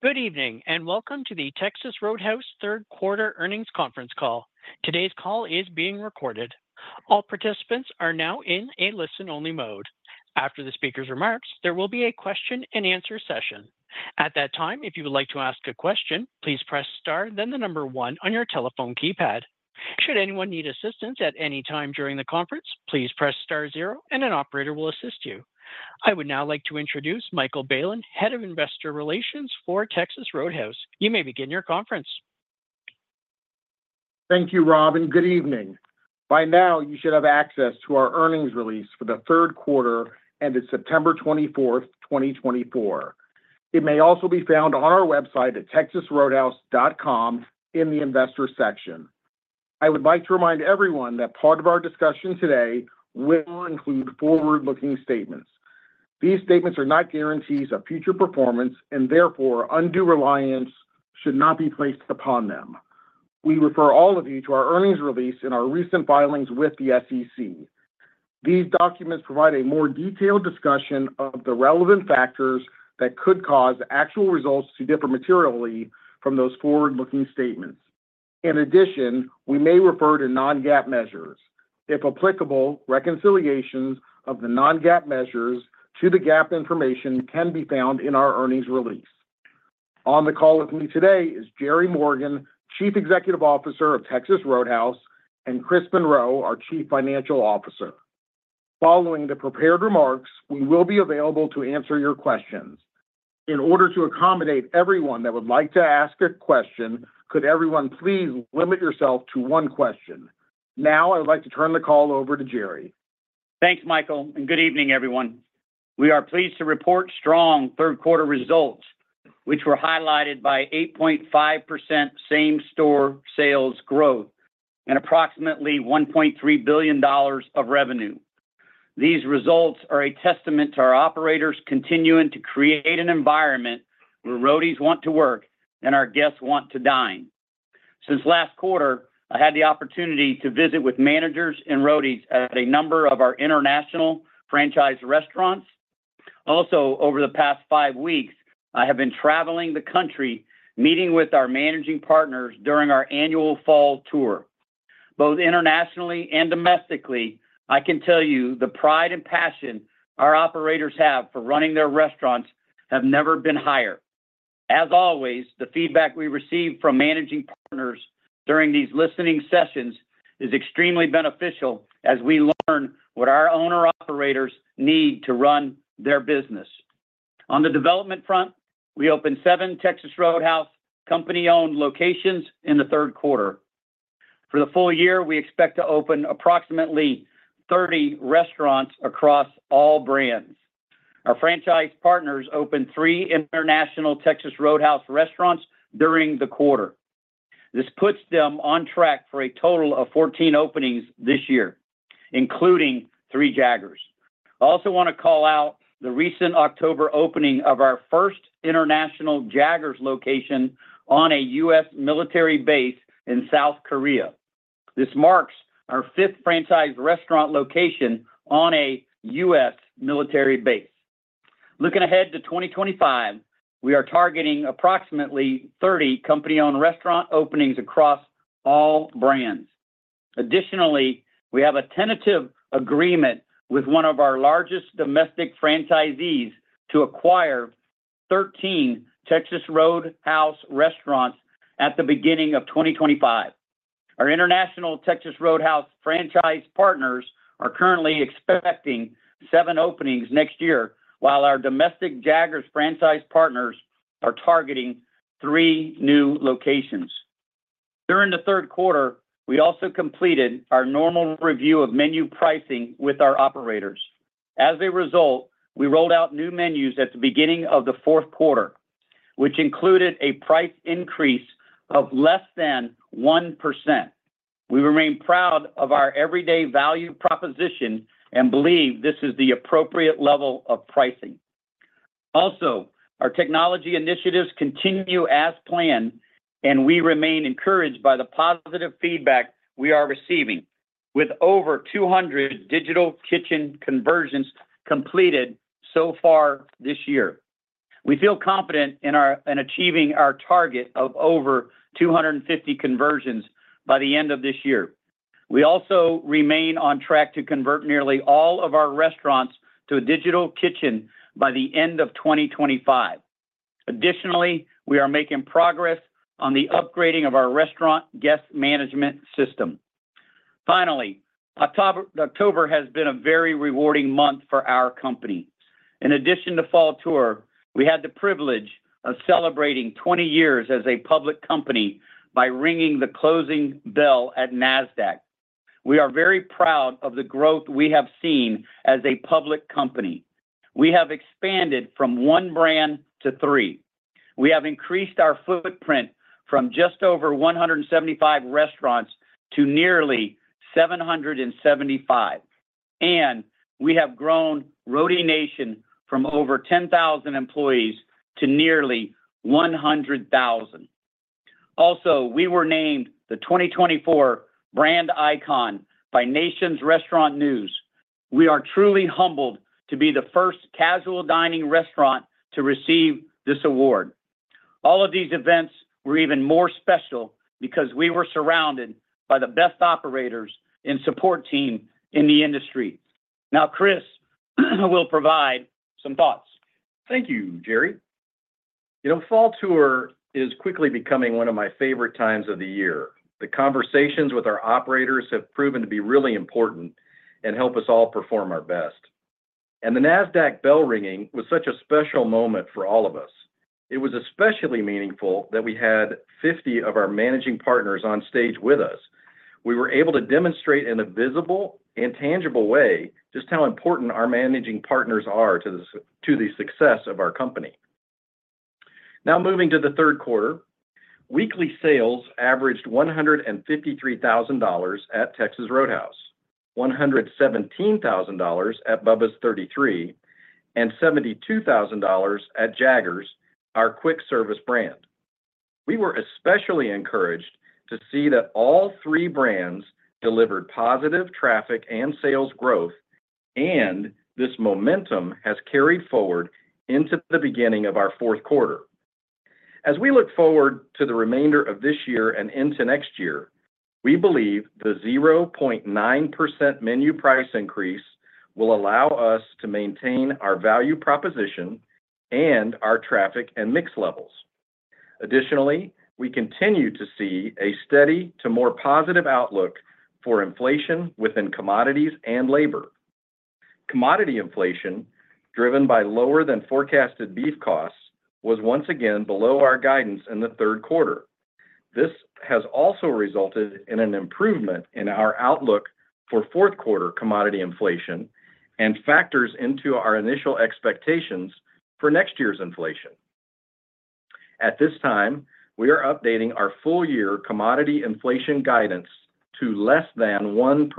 Good evening, and welcome to the Texas Roadhouse third quarter earnings conference call. Today's call is being recorded. All participants are now in a listen-only mode. After the speaker's remarks, there will be a question-and-answer session. At that time, if you would like to ask a question, please press star, then the number one on your telephone keypad. Should anyone need assistance at any time during the conference, please press star zero, and an operator will assist you. I would now like to introduce Michael Bailen, Head of Investor Relations for Texas Roadhouse. You may begin your conference. Thank you, Rob, and good evening. By now, you should have access to our earnings release for the third quarter, ended September 24th, 2024. It may also be found on our website at texasroadhouse.com in the Investor section. I would like to remind everyone that part of our discussion today will include forward-looking statements. These statements are not guarantees of future performance, and therefore, undue reliance should not be placed upon them. We refer all of you to our earnings release in our recent filings with the SEC. These documents provide a more detailed discussion of the relevant factors that could cause actual results to differ materially from those forward-looking statements. In addition, we may refer to non-GAAP measures. If applicable, reconciliations of the non-GAAP measures to the GAAP information can be found in our earnings release. On the call with me today is Jerry Morgan, Chief Executive Officer of Texas Roadhouse, and Chris Monroe, our Chief Financial Officer. Following the prepared remarks, we will be available to answer your questions. In order to accommodate everyone that would like to ask a question, could everyone please limit yourself to one question? Now, I would like to turn the call over to Jerry. Thanks, Michael, and good evening, everyone. We are pleased to report strong third quarter results, which were highlighted by 8.5% same-store sales growth and approximately $1.3 billion of revenue. These results are a testament to our operators continuing to create an environment where Roadies want to work and our guests want to dine. Since last quarter, I had the opportunity to visit with managers and Roadies at a number of our international franchise restaurants. Also, over the past five weeks, I have been traveling the country, meeting with our managing partners during our annual Fall Tour. Both internationally and domestically, I can tell you the pride and passion our operators have for running their restaurants have never been higher. As always, the feedback we receive from managing partners during these listening sessions is extremely beneficial as we learn what our owner-operators need to run their business. On the development front, we opened seven Texas Roadhouse company-owned locations in the third quarter. For the full year, we expect to open approximately 30 restaurants across all brands. Our franchise partners opened three international Texas Roadhouse restaurants during the quarter. This puts them on track for a total of 14 openings this year, including three Jaggers. I also want to call out the recent October opening of our first international Jaggers location on a U.S. military base in South Korea. This marks our fifth franchise restaurant location on a U.S. military base. Looking ahead to 2025, we are targeting approximately 30 company-owned restaurant openings across all brands. Additionally, we have a tentative agreement with one of our largest domestic franchisees to acquire 13 Texas Roadhouse restaurants at the beginning of 2025. Our international Texas Roadhouse franchise partners are currently expecting seven openings next year, while our domestic Jaggers franchise partners are targeting three new locations. During the third quarter, we also completed our normal review of menu pricing with our operators. As a result, we rolled out new menus at the beginning of the fourth quarter, which included a price increase of less than 1%. We remain proud of our everyday value proposition and believe this is the appropriate level of pricing. Also, our technology initiatives continue as planned, and we remain encouraged by the positive feedback we are receiving. With over 200 digital kitchen conversions completed so far this year, we feel confident in achieving our target of over 250 conversions by the end of this year. We also remain on track to convert nearly all of our restaurants to a digital kitchen by the end of 2025. Additionally, we are making progress on the upgrading of our restaurant guest management system. Finally, October has been a very rewarding month for our company. In addition to Fall Tour, we had the privilege of celebrating 20 years as a public company by ringing the closing bell at Nasdaq. We are very proud of the growth we have seen as a public company. We have expanded from one brand to three. We have increased our footprint from just over 175 restaurants to nearly 775, and we have grown Roadie Nation from over 10,000 employees to nearly 100,000. Also, we were named the 2024 Brand Icon by Nation's Restaurant News. We are truly humbled to be the first casual dining restaurant to receive this award. All of these events were even more special because we were surrounded by the best operators and support team in the industry. Now, Chris will provide some thoughts. Thank you, Jerry. You know, Fall Tour is quickly becoming one of my favorite times of the year. The conversations with our operators have proven to be really important and help us all perform our best, and the Nasdaq bell ringing was such a special moment for all of us. It was especially meaningful that we had 50 of our managing partners on stage with us. We were able to demonstrate in a visible and tangible way, just how important our managing partners are to the success of our company. Now, moving to the third quarter, weekly sales averaged $153,000 at Texas Roadhouse, $117,000 at Bubba's 33, and $72,000 at Jaggers, our quick service brand. We were especially encouraged to see that all three brands delivered positive traffic and sales growth, and this momentum has carried forward into the beginning of our fourth quarter. As we look forward to the remainder of this year and into next year, we believe the 0.9% menu price increase will allow us to maintain our value proposition and our traffic and mix levels. Additionally, we continue to see a steady to more positive outlook for inflation within commodities and labor. Commodity inflation, driven by lower than forecasted beef costs, was once again below our guidance in the third quarter. This has also resulted in an improvement in our outlook for fourth quarter commodity inflation and factors into our initial expectations for next year's inflation. At this time, we are updating our full year commodity inflation guidance to less than 1%.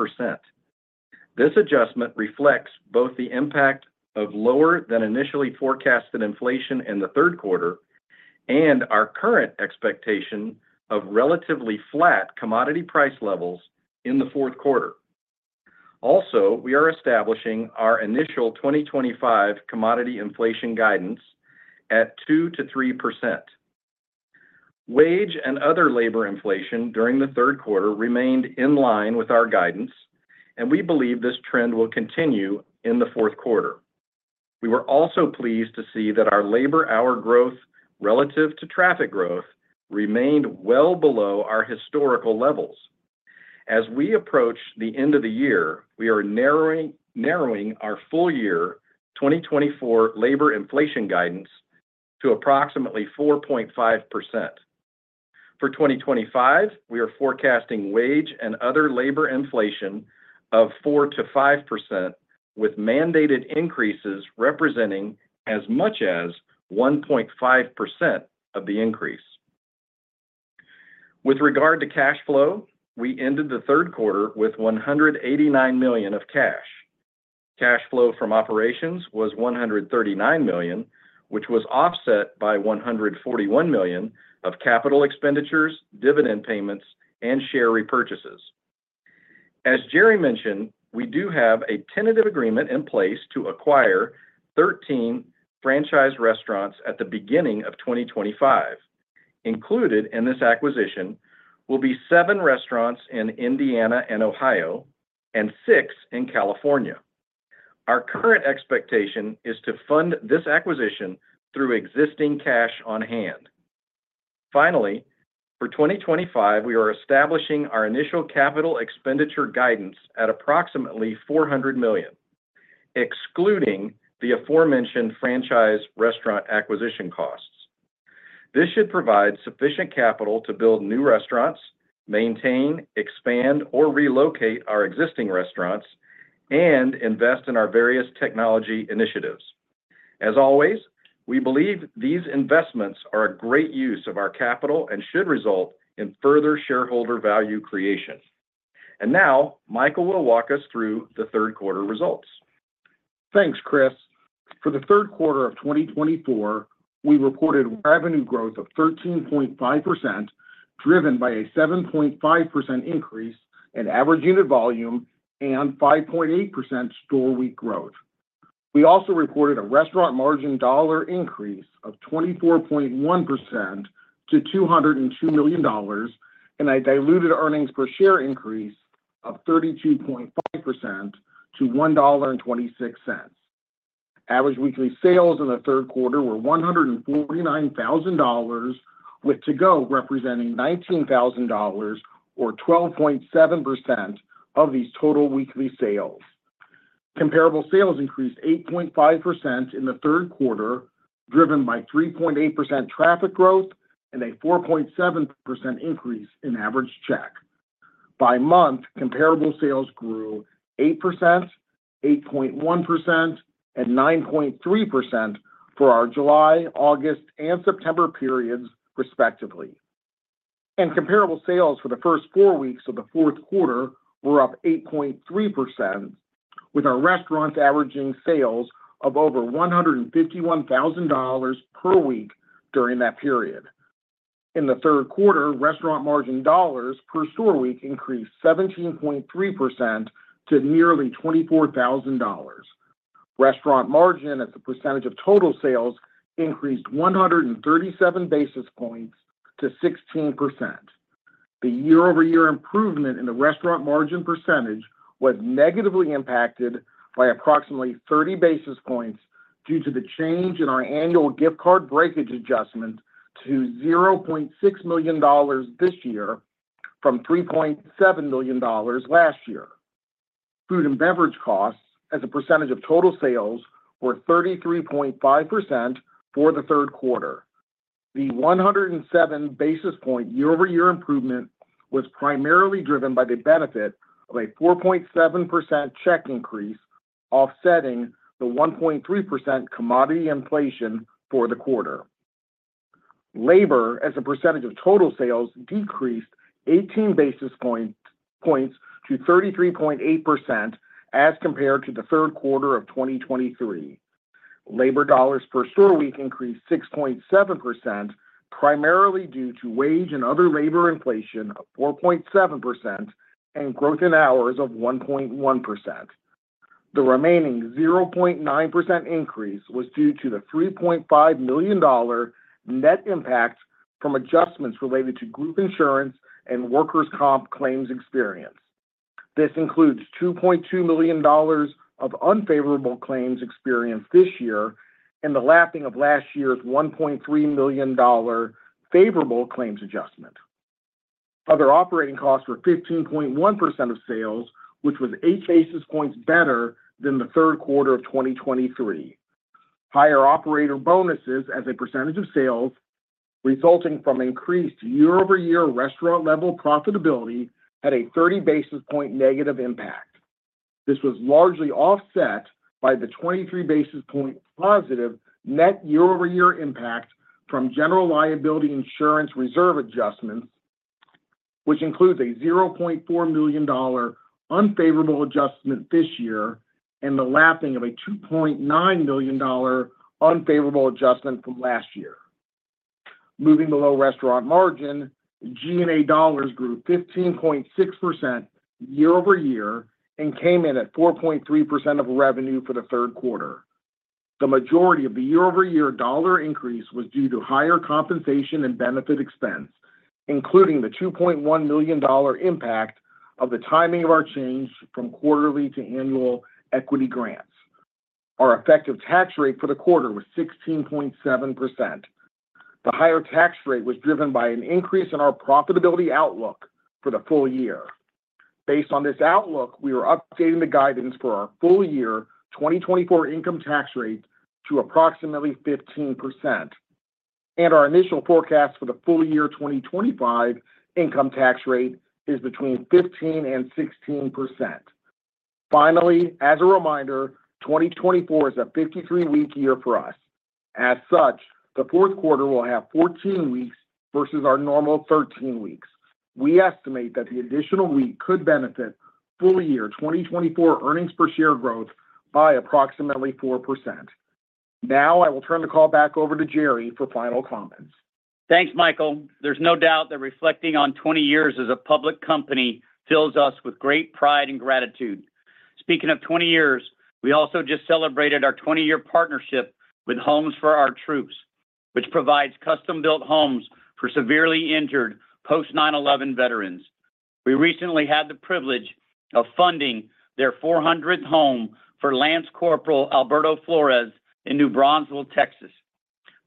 This adjustment reflects both the impact of lower than initially forecasted inflation in the third quarter and our current expectation of relatively flat commodity price levels in the fourth quarter. Also, we are establishing our initial 2025 commodity inflation guidance at 2%-3%. Wage and other labor inflation during the third quarter remained in line with our guidance, and we believe this trend will continue in the fourth quarter. We were also pleased to see that our labor hour growth relative to traffic growth remained well below our historical levels. As we approach the end of the year, we are narrowing our full year 2024 labor inflation guidance to approximately 4.5%. For 2025, we are forecasting wage and other labor inflation of 4%-5%, with mandated increases representing as much as 1.5% of the increase. With regard to cash flow, we ended the third quarter with $189 million of cash. Cash flow from operations was $139 million, which was offset by $141 million of capital expenditures, dividend payments, and share repurchases. As Jerry mentioned, we do have a tentative agreement in place to acquire 13 franchise restaurants at the beginning of 2025. Included in this acquisition will be seven restaurants in Indiana and Ohio, and six in California. Our current expectation is to fund this acquisition through existing cash on hand. Finally, for 2025, we are establishing our initial capital expenditure guidance at approximately $400 million, excluding the aforementioned franchise restaurant acquisition costs. This should provide sufficient capital to build new restaurants, maintain, expand, or relocate our existing restaurants, and invest in our various technology initiatives. As always, we believe these investments are a great use of our capital and should result in further shareholder value creation, and now, Michael will walk us through the third quarter results. Thanks, Chris. For the third quarter of 2024, we reported revenue growth of 13.5%, driven by a 7.5% increase in average unit volume and 5.8% store week growth. We also reported a restaurant margin dollar increase of 24.1% to $202 million, and a diluted earnings per share increase of 32.5% to $1.26. Average weekly sales in the third quarter were $149,000, with to-go representing $19,000 or 12.7% of these total weekly sales. Comparable sales increased 8.5% in the third quarter, driven by 3.8% traffic growth and a 4.7% increase in average check. By month, comparable sales grew 8%, 8.1%, and 9.3% for our July, August, and September periods, respectively, and comparable sales for the first four weeks of the fourth quarter were up 8.3%, with our restaurants averaging sales of over $151,000 per week during that period. In the third quarter, restaurant margin dollars per store week increased 17.3% to nearly $24,000. Restaurant margin as a percentage of total sales increased 137 basis points to 16%. The year-over-year improvement in the restaurant margin percentage was negatively impacted by approximately 30 basis points due to the change in our annual gift card breakage adjustment to $0.6 million this year from $3.7 million last year. Food and beverage costs as a percentage of total sales were 33.5% for the third quarter. The 107 basis point year-over-year improvement was primarily driven by the benefit of a 4.7% check increase, offsetting the 1.3% commodity inflation for the quarter. Labor, as a percentage of total sales, decreased 18 basis points to 33.8% as compared to the third quarter of 2023. Labor dollars per store week increased 6.7%, primarily due to wage and other labor inflation of 4.7% and growth in hours of 1.1%. The remaining 0.9% increase was due to the $3.5 million net impact from adjustments related to group insurance and workers' comp claims experience. This includes $2.2 million of unfavorable claims experience this year and the lapping of last year's $1.3 million favorable claims adjustment. Other operating costs were 15.1% of sales, which was eight basis points better than the third quarter of 2023. Higher operator bonuses as a percentage of sales, resulting from increased year-over-year restaurant level profitability, had a 30 basis point negative impact. This was largely offset by the 23 basis point positive net year-over-year impact from general liability insurance reserve adjustments, which includes a $0.4 million unfavorable adjustment this year and the lapping of a $2.9 million unfavorable adjustment from last year. Moving below restaurant margin, G&A dollars grew 15.6% year over year and came in at 4.3% of revenue for the third quarter. The majority of the year-over-year dollar increase was due to higher compensation and benefit expense, including the $2.1 million impact of the timing of our change from quarterly to annual equity grants. Our effective tax rate for the quarter was 16.7%. The higher tax rate was driven by an increase in our profitability outlook for the full year. Based on this outlook, we are updating the guidance for our full year 2024 income tax rate to approximately 15%, and our initial forecast for the full year 2025 income tax rate is between 15% and 16%. Finally, as a reminder, 2024 is a 53-week year for us. As such, the fourth quarter will have 14 weeks versus our normal 13 weeks. We estimate that the additional week could benefit full year 2024 earnings per share growth by approximately 4%. Now, I will turn the call back over to Jerry for final comments. Thanks, Michael. There's no doubt that reflecting on 20 years as a public company fills us with great pride and gratitude. Speaking of 20 years, we also just celebrated our 20-year partnership with Homes For Our Troops, which provides custom-built homes for severely injured post-9/11 veterans. We recently had the privilege of funding their 400th home for Lance Corporal Alberto Flores in New Braunfels, Texas.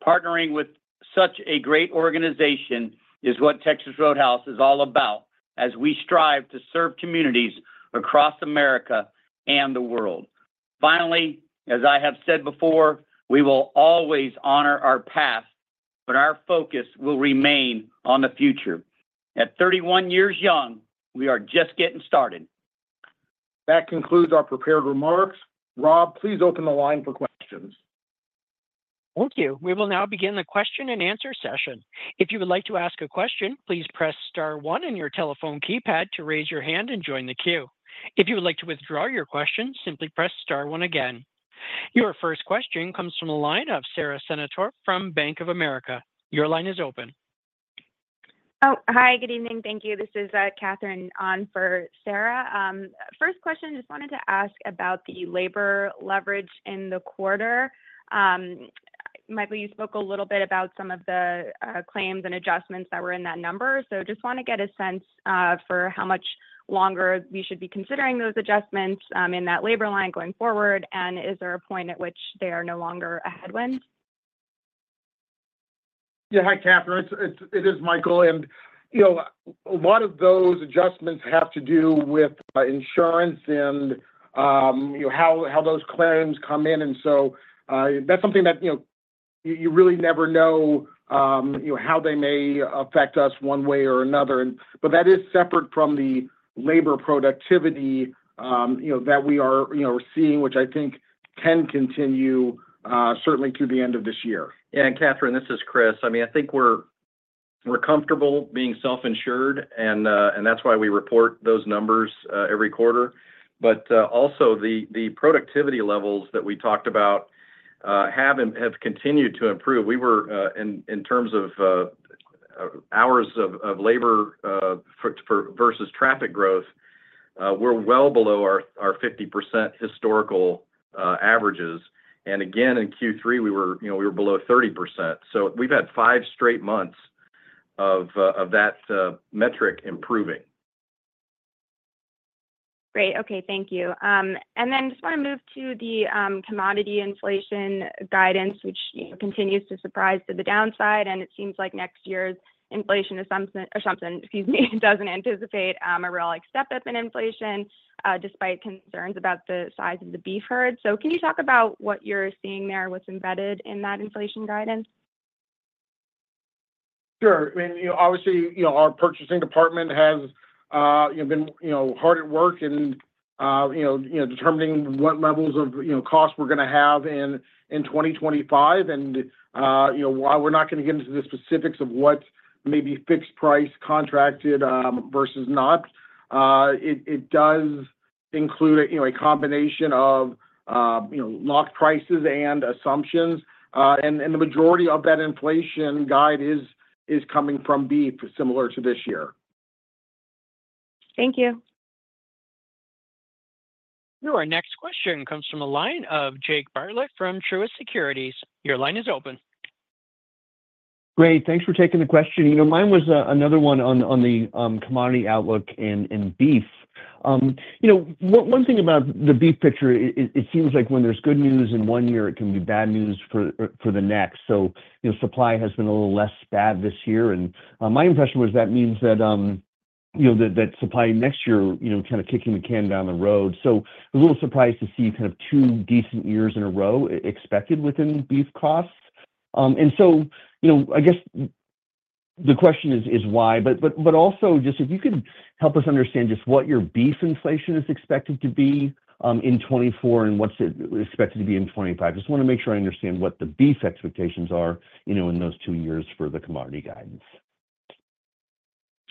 Partnering with such a great organization is what Texas Roadhouse is all about, as we strive to serve communities across America and the world. Finally, as I have said before, we will always honor our past, but our focus will remain on the future. At 31 years young, we are just getting started. That concludes our prepared remarks. Rob, please open the line for questions. Thank you. We will now begin the question and answer session. If you would like to ask a question, please press star one on your telephone keypad to raise your hand and join the queue. If you would like to withdraw your question, simply press star one again. Your first question comes from the line of Sara Senatore from Bank of America. Your line is open. Oh, hi, good evening. Thank you. This is Catherine on for Sara. First question, just wanted to ask about the labor leverage in the quarter. Michael, you spoke a little bit about some of the claims and adjustments that were in that number, so just want to get a sense for how much longer we should be considering those adjustments in that labor line going forward, and is there a point at which they are no longer a headwind? Yeah. Hi, Catherine. It's Michael, and you know, a lot of those adjustments have to do with insurance and you know, how those claims come in. And so, that's something that you know, you really never know you know, how they may affect us one way or another. And but that is separate from the labor productivity you know, that we are you know, seeing, which I think can continue certainly through the end of this year. Catherine, this is Chris. I mean, I think we're comfortable being self-insured, and that's why we report those numbers every quarter. But also the productivity levels that we talked about have continued to improve. We were in terms of hours of labor for versus traffic growth. We're well below our 50% historical averages. Again, in Q3, we were, you know, below 30%. So we've had five straight months of that metric improving. Great. Okay, thank you. And then just wanna move to the commodity inflation guidance, which, you know, continues to surprise to the downside, and it seems like next year's inflation assumption, excuse me, doesn't anticipate a real, like, step-up in inflation despite concerns about the size of the beef herd. So can you talk about what you're seeing there, what's embedded in that inflation guidance? Sure. I mean, you know, obviously, you know, our purchasing department has, you know, been, you know, hard at work and, you know, determining what levels of, you know, cost we're gonna have in 2025. And, you know, while we're not gonna get into the specifics of what may be fixed price contracted, versus not, it does include a, you know, a combination of, you know, locked prices and assumptions. And the majority of that inflation guide is coming from beef, similar to this year. Thank you. Your next question comes from the line of Jake Bartlett from Truist Securities. Your line is open. Great, thanks for taking the question. You know, mine was another one on the commodity outlook in beef. You know, one thing about the beef picture, it seems like when there's good news in one year, it can be bad news for the next. So, you know, supply has been a little less bad this year, and my impression was that means that you know, that supply next year, you know, kind of kicking the can down the road. So a little surprised to see kind of two decent years in a row expected within beef costs. And so, you know, I guess the question is, why? But also just if you could help us understand just what your beef inflation is expected to be in 2024, and what's it expected to be in 2025. Just wanna make sure I understand what the beef expectations are, you know, in those two years for the commodity guidance.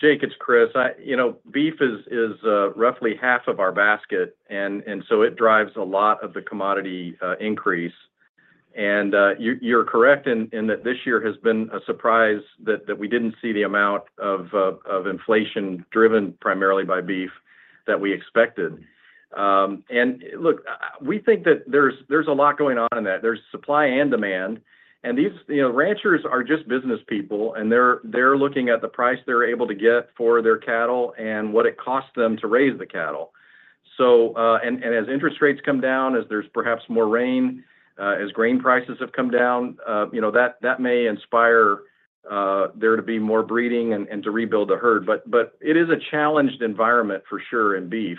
Jake, it's Chris. You know, beef is roughly half of our basket, and so it drives a lot of the commodity increase, and you're correct in that this year has been a surprise that we didn't see the amount of inflation driven primarily by beef that we expected, and look, we think that there's a lot going on in that. There's supply and demand, and you know, ranchers are just business people, and they're looking at the price they're able to get for their cattle and what it costs them to raise the cattle, so as interest rates come down, as there's perhaps more rain, as grain prices have come down, you know, that may inspire there to be more breeding and to rebuild the herd. But it is a challenged environment for sure in beef.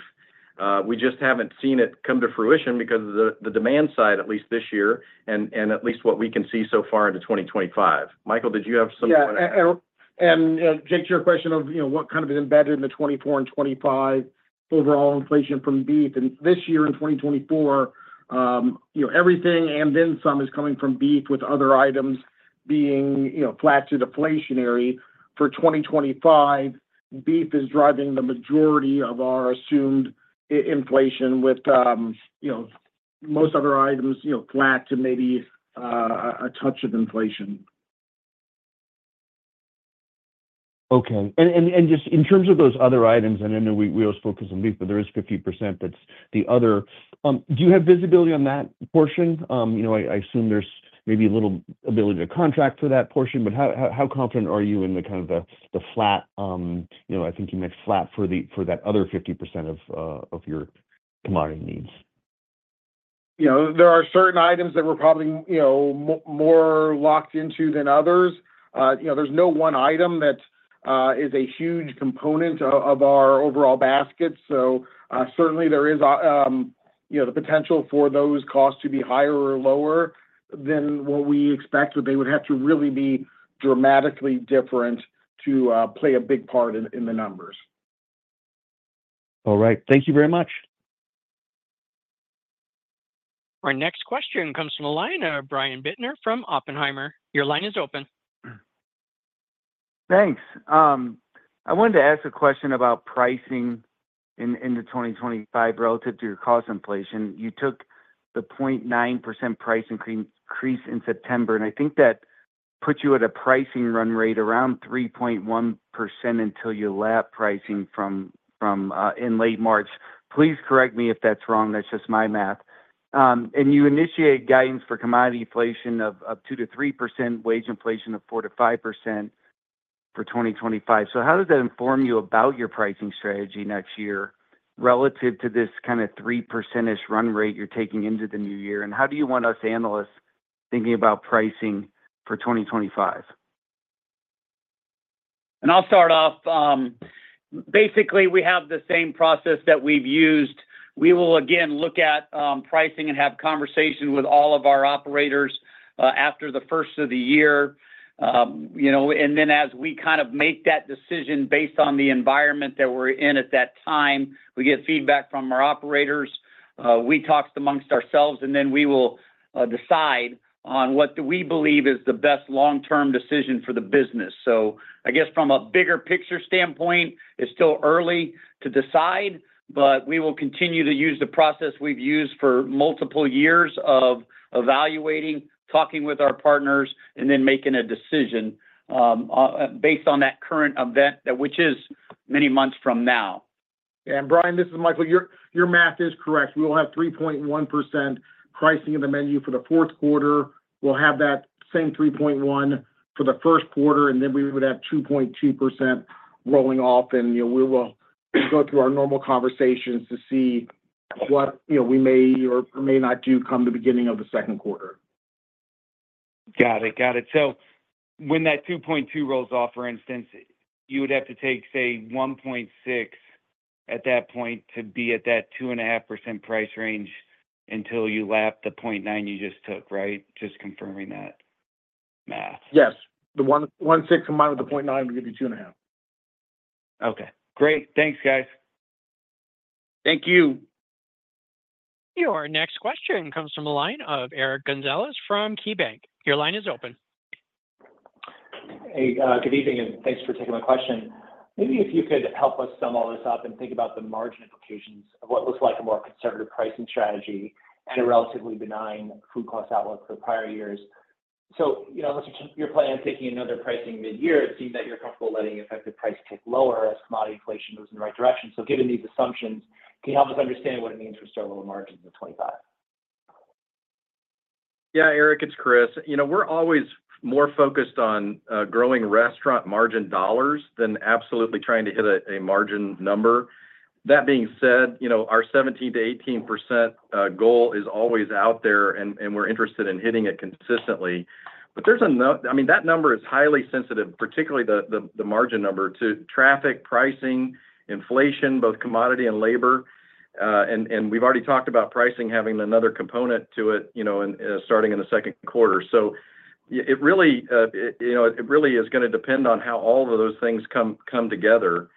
We just haven't seen it come to fruition because of the demand side, at least this year, and at least what we can see so far into 2025. Michael, did you have some kind of. Yeah, and, Jake, to your question of, you know, what kind of is embedded in the 2024 and 2025 overall inflation from beef? And this year in 2024, you know, everything and then some is coming from beef, with other items being, you know, flat to deflationary. For 2025, beef is driving the majority of our assumed inflation with, you know, most other items, you know, flat to maybe, a touch of inflation. Okay. And just in terms of those other items, and I know we always focus on beef, but there is 50% that's the other. Do you have visibility on that portion? You know, I assume there's maybe a little ability to contract for that portion, but how confident are you in the kind of the flat, you know, I think you meant flat for that other 50% of your commodity needs? You know, there are certain items that we're probably, you know, more locked into than others. You know, there's no one item that is a huge component of our overall basket. So, certainly there is, you know, the potential for those costs to be higher or lower than what we expect, but they would have to really be dramatically different to play a big part in the numbers. All right. Thank you very much. Our next question comes from the line of Brian Bittner from Oppenheimer. Your line is open. Thanks. I wanted to ask a question about pricing in 2025 relative to your cost inflation. You took the 0.9% price increase in September, and I think that puts you at a pricing run rate around 3.1% until you lap pricing from in late March. Please correct me if that's wrong. That's just my math. And you initiate guidance for commodity inflation of 2%-3%, wage inflation of 4%-5% for 2025. So how does that inform you about your pricing strategy next year relative to this kinda 3% run rate you're taking into the new year? And how do you want us analysts thinking about pricing for 2025? I'll start off. Basically, we have the same process that we've used we will again look at pricing and have conversation with all of our operators after the first of the year. You know, and then as we kind of make that decision based on the environment that we're in at that time, we get feedback from our operators, we talked amongst ourselves, and then we will decide on what do we believe is the best long-term decision for the business. So I guess from a bigger picture standpoint, it's still early to decide, but we will continue to use the process we've used for multiple years of evaluating, talking with our partners, and then making a decision based on that current event, that which is many months from now. Brian, this is Michael. Your math is correct. We will have 3.1% pricing in the menu for the fourth quarter. We'll have that same 3.1% for the first quarter, and then we would have 2.2% rolling off, and, you know, we will go through our normal conversations to see what, you know, we may or may not do come the beginning of the second quarter. Got it. Got it. So when that 2.2% rolls off, for instance, you would have to take, say, 1.6% at that point to be at that 2.5% price range until you lap the 0.9% you just took, right? Just confirming that math. Yes. The one point one six combined with the point nine to give you two and a half. Okay, great. Thanks, guys. Thank you. Your next question comes from the line of Eric Gonzalez from KeyBanc Capital Markets. Your line is open. Hey, good evening, and thanks for taking my question. Maybe if you could help us sum all this up and think about the margin implications of what looks like a more conservative pricing strategy and a relatively benign food cost outlook for prior years. So, you know, unless you're planning on taking another pricing mid-year, it seems that you're comfortable letting effective price tick lower as commodity inflation moves in the right direction. So given these assumptions, can you help us understand what it means for restaurant margins in 2025? Yeah, Eric, it's Chris. You know, we're always more focused on growing restaurant margin dollars than absolutely trying to hit a margin number. That being said, you know, our 17%-18% goal is always out there, and we're interested in hitting it consistently. But there's a nuance. I mean, that number is highly sensitive, particularly the margin number, to traffic, pricing, inflation, both commodity and labor. And we've already talked about pricing having another component to it, you know, and starting in the second quarter. So it really is gonna depend on how all of those things come together.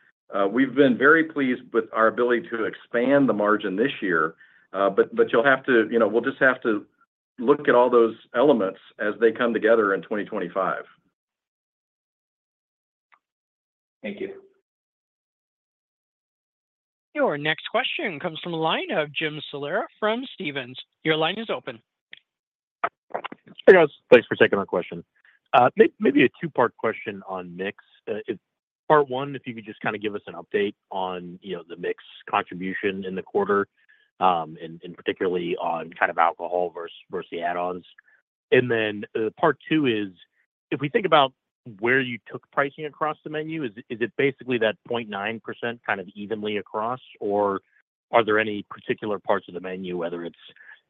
We've been very pleased with our ability to expand the margin this year, but you'll have to... You know, we'll just have to look at all those elements as they come together in 2025. Thank you. Your next question comes from a line of Jim Salera from Stephens. Your line is open. Hey, guys, thanks for taking my question. Maybe a two-part question on mix. Part one, if you could just kind of give us an update on, you know, the mix contribution in the quarter, and particularly on kind of alcohol versus the add-ons. And then, part two is, if we think about where you took pricing across the menu, is it basically that 0.9% kind of evenly across, or are there any particular parts of the menu, whether it's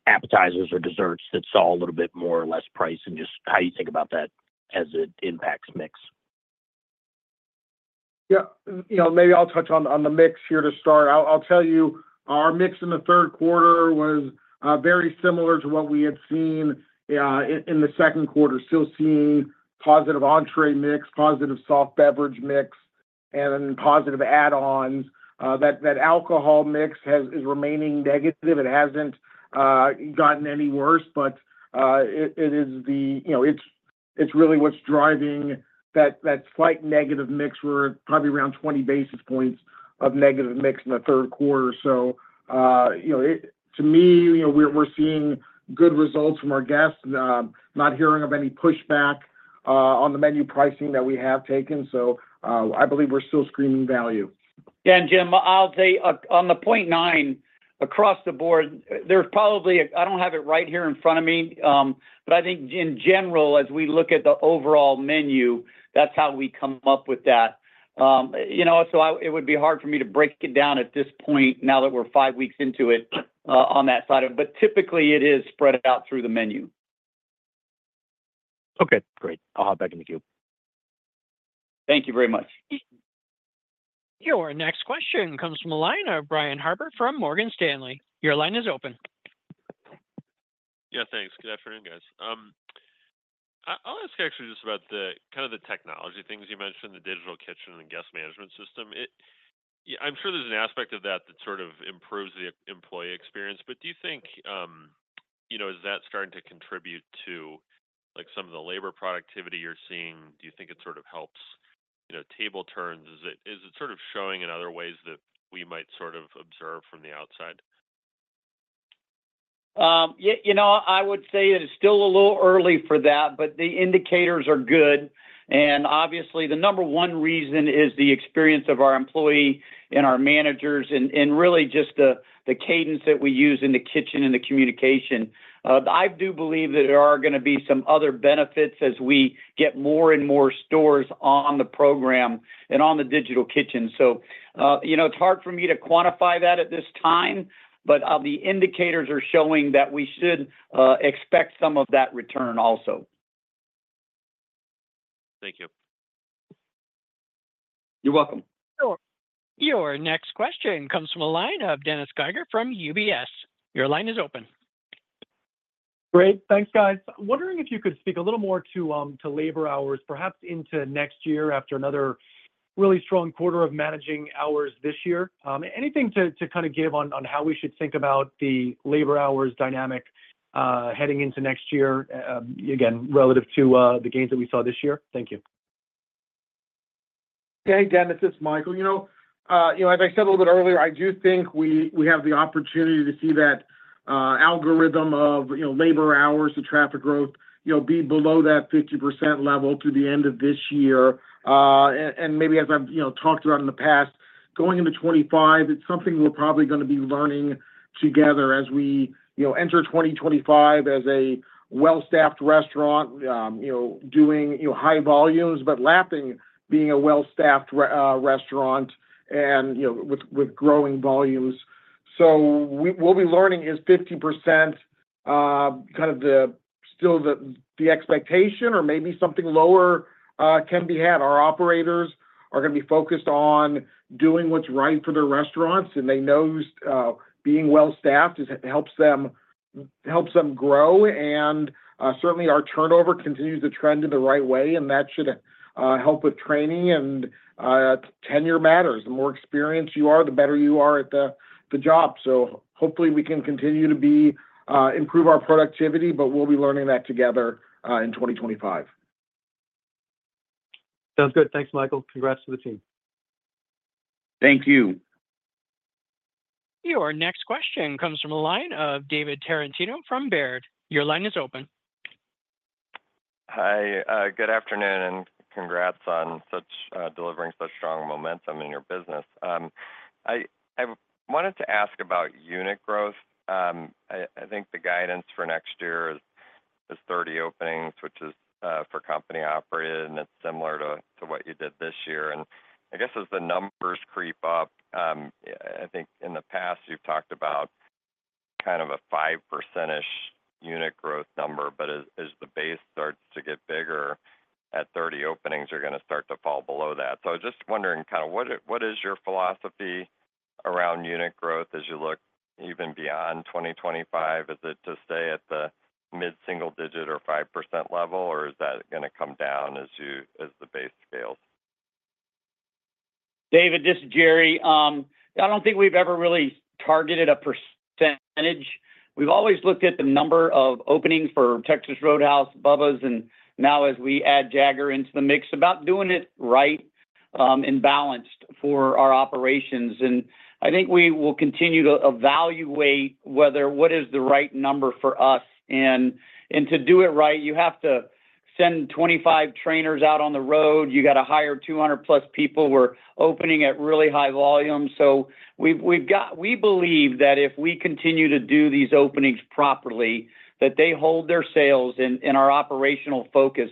appetizers or desserts, that saw a little bit more or less price, and just how you think about that as it impacts mix? Yeah. You know, maybe I'll touch on the mix here to start. I'll tell you, our mix in the third quarter was very similar to what we had seen in the second quarter. Still seeing positive entree mix, positive soft beverage mix, and positive add-ons. That alcohol mix has-- is remaining negative. It hasn't gotten any worse, but it is the... You know, it's really what's driving that slight negative mix. We're probably around 20 basis points of negative mix in the third quarter. So, you know, it-- to me, you know, we're seeing good results from our guests, not hearing of any pushback on the menu pricing that we have taken, so I believe we're still screaming value. Jim, I'll say, on the 0.9%, across the board, there's probably. I don't have it right here in front of me, but I think in general, as we look at the overall menu, that's how we come up with that. You know, so it would be hard for me to break it down at this point, now that we're five weeks into it, on that side of it, but typically, it is spread out through the menu. Okay, great. I'll hop back in the queue. Thank you very much. Your next question comes from a line of Brian Harbour from Morgan Stanley. Your line is open. Yeah, thanks. Good afternoon, guys. I'll ask actually just about the kind of the technology things you mentioned, the digital kitchen and guest management system. Yeah, I'm sure there's an aspect of that that sort of improves the employee experience, but do you think, you know, is that starting to contribute to, like, some of the labor productivity you're seeing? Do you think it sort of helps, you know, table turns? Is it sort of showing in other ways that we might sort of observe from the outside? Yeah, you know, I would say it is still a little early for that, but the indicators are good, and obviously, the number one reason is the experience of our employee and our managers and really just the cadence that we use in the kitchen and the communication. I do believe that there are gonna be some other benefits as we get more and more stores on the program and on the digital kitchen. So, you know, it's hard for me to quantify that at this time, but the indicators are showing that we should expect some of that return also. Thank you. You're welcome. Your next question comes from the line of Dennis Geiger from UBS. Your line is open. Great. Thanks, guys. Wondering if you could speak a little more to labor hours, perhaps into next year, after another really strong quarter of managing hours this year. Anything to kind of give on how we should think about the labor hours dynamic, heading into next year, again, relative to the gains that we saw this year? Thank you. Hey, Dennis, it's Michael. You know, as I said a little bit earlier, I do think we have the opportunity to see that algorithm of labor hours to traffic growth be below that 50% level through the end of this year, and maybe as I've talked about in the past, going into 2025, it's something we're probably gonna be learning together as we enter 2025 as a well-staffed restaurant, doing high volumes, but lapping being a well-staffed restaurant and with growing volumes. So what we're learning is 50% kind of the still the expectation or maybe something lower can be had. Our operators are gonna be focused on doing what's right for their restaurants, and they know being well-staffed helps them, helps them grow. Certainly, our turnover continues to trend in the right way, and that should help with training and tenure matters. The more experienced you are, the better you are at the job. So hopefully we can continue to improve our productivity, but we'll be learning that together in 2025. Sounds good. Thanks, Michael. Congrats to the team. Thank you. Your next question comes from a line of David Tarantino from Baird. Your line is open. Hi, good afternoon, and congrats on such delivering such strong momentum in your business. I wanted to ask about unit growth. I think the guidance for next year is 30 openings, which is for company operated, and it's similar to what you did this year. And I guess, as the numbers creep up, I think in the past, you've talked about kind of a 5%-ish unit growth number, but as the base starts to get bigger, at 30 openings, you're gonna start to fall below that. So I was just wondering, kind of what is your philosophy around unit growth as you look even beyond 2025? Is it to stay at the mid-single digit or 5% level, or is that gonna come down as the base scales? David, this is Jerry. I don't think we've ever really targeted a percentage. We've always looked at the number of openings for Texas Roadhouse, Bubba's, and now as we add Jaggers into the mix, about doing it right, and balanced for our operations. I think we will continue to evaluate whether what is the right number for us. To do it right, you have to send 25 trainers out on the road. You got to hire 200+ people. We're opening at really high volumes, so we've got we believe that if we continue to do these openings properly, that they hold their sales and our operational focus.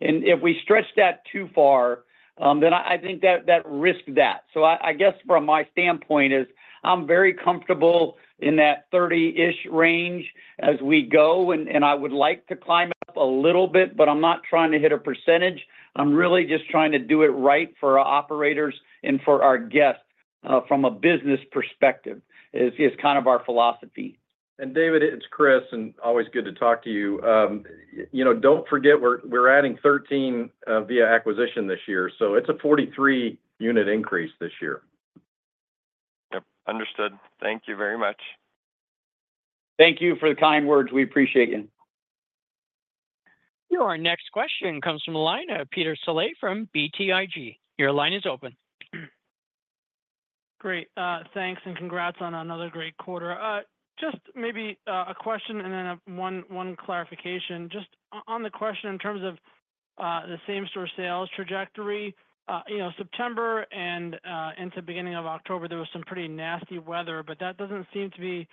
If we stretch that too far, then I think that risks that. So I guess from my standpoint is, I'm very comfortable in that thirty-ish range as we go, and I would like to climb up a little bit, but I'm not trying to hit a percentage. I'm really just trying to do it right for our operators and for our guests, from a business perspective. It's kind of our philosophy. And David, it's Chris, and always good to talk to you. You know, don't forget, we're adding 13 via acquisition this year, so it's a 43-unit increase this year. Yep, understood. Thank you very much. Thank you for the kind words. We appreciate you. Your next question comes from the line of Peter Saleh from BTIG. Your line is open. Great. Thanks, and congrats on another great quarter. Just maybe a question and then one clarification. Just on the question in terms of the same-store sales trajectory, you know, September and into beginning of October, there was some pretty nasty weather, but that doesn't seem to be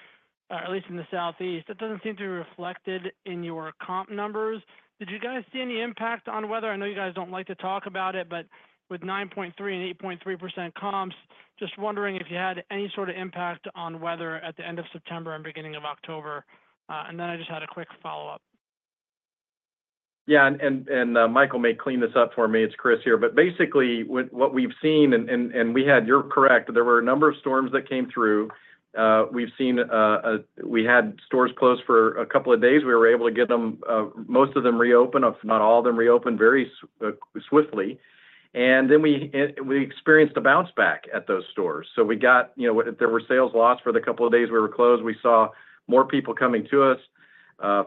at least in the Southeast, that doesn't seem to be reflected in your comp numbers. Did you guys see any impact on weather? I know you guys don't like to talk about it, but with 9.3% and 8.3% comps, just wondering if you had any sort of impact on weather at the end of September and beginning of October. And then I just had a quick follow-up. Yeah, Michael may clean this up for me. It's Chris here. But basically, what we've seen and we had. You're correct. There were a number of storms that came through. We've seen we had stores closed for a couple of days. We were able to get them, most of them reopened, if not all of them, reopened very swiftly. And then we experienced a bounce back at those stores. So we got, you know, there were sales lost for the couple of days we were closed. We saw more people coming to us,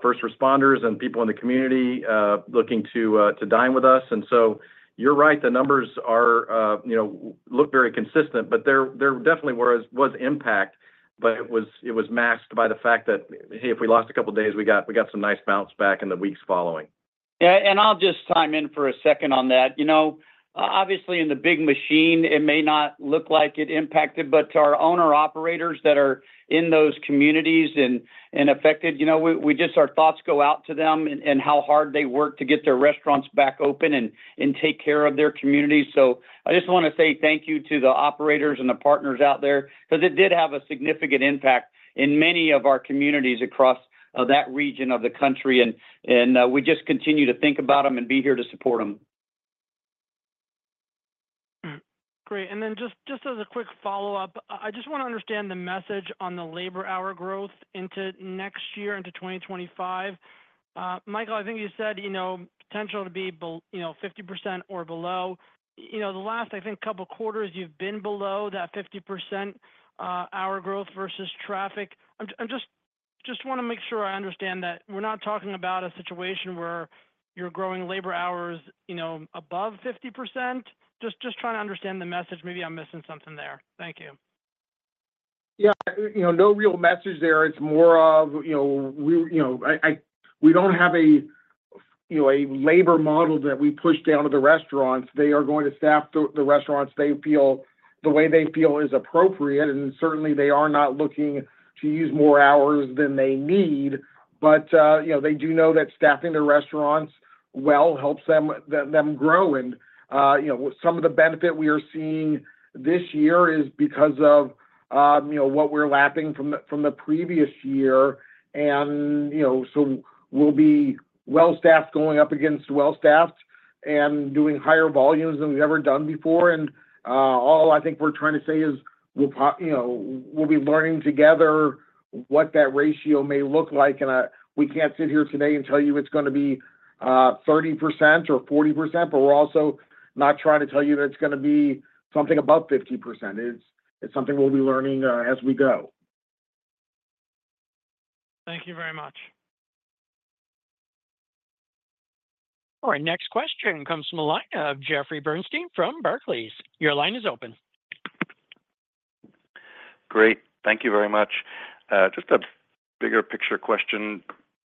first responders and people in the community, looking to dine with us. And so you're right, the numbers are, you know, look very consistent, but there definitely was impact, but it was masked by the fact that, hey, if we lost a couple of days, we got some nice bounce back in the weeks following. Yeah, and I'll just chime in for a second on that. You know, obviously, in the big machine, it may not look like it impacted, but to our owner-operators that are in those communities and affected, you know, we just, our thoughts go out to them and how hard they work to get their restaurants back open and take care of their communities. So I just wanna say thank you to the operators and the partners out there, 'cause it did have a significant impact in many of our communities across that region of the country. And we just continue to think about them and be here to support them. Great. And then just as a quick follow-up, I just wanna understand the message on the labor hour growth into next year, into 2025. Michael, I think you said, you know, potential to be, you know, 50% or below. You know, the last, I think, couple quarters, you've been below that 50%, hour growth versus traffic. I'm just wanna make sure I understand that we're not talking about a situation where you're growing labor hours, you know, above 50%? Just trying to understand the message. Maybe I'm missing something there. Thank you. Yeah, you know, no real message there. It's more of, you know, we don't have a, you know, a labor model that we push down to the restaurants. They are going to staff the restaurants they feel the way they feel is appropriate, and certainly, they are not looking to use more hours than they need. But, you know, they do know that staffing the restaurants well helps them grow. And, you know, some of the benefit we are seeing this year is because of, you know, what we're lapping from the previous year. And, you know, so we'll be well-staffed, going up against well-staffed, and doing higher volumes than we've ever done before. All I think we're trying to say is you know, we'll be learning together what that ratio may look like, and we can't sit here today and tell you it's gonna be 30% or 40%, but we're also not trying to tell you that it's gonna be something above 50%. It's, it's something we'll be learning as we go. Thank you very much. All right, next question comes from the line of Jeffrey Bernstein from Barclays. Your line is open. Great. Thank you very much. Just a bigger picture question.